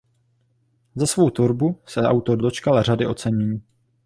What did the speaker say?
Za svou tvorbu se autor dočkal řady ocenění.